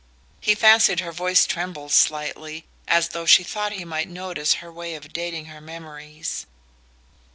He fancied her voice trembled slightly, as though she thought he might notice her way of dating her memories.